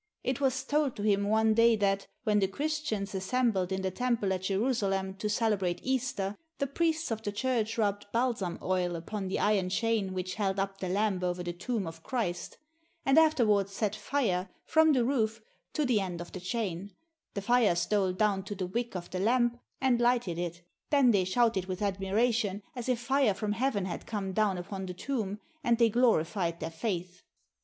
It was told to him one day that, when the Christians assembled in the temple at Jerusalem to celebrate Easter, the priests of the church rubbed balsam oil upon the iron chain which held up the lamp over the tomb of Christ, and after wards set fire, from the roof, to the end of the chain; the fire stole down to the wick of the lamp and lighted it; then they shouted with admiration, as if fire from heaven had come down upon the tomb, and they glori fied their faith.